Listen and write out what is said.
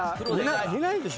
いないでしょ。